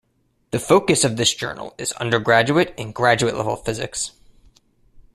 The focus of this journal is undergraduate and graduate level physics.